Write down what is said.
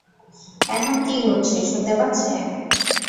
এখন কী ঘটছে শুনতে পাচ্ছেন?